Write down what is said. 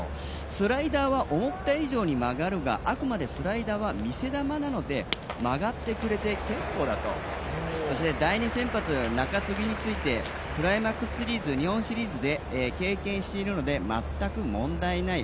スライダーは思った以上に曲がるが、あくまでスライダーは見せ球なので、曲がってくれて結構だと、そして第２先発、中継ぎについてクライマックスシリーズ日本シリーズで経験しているので全く問題ない。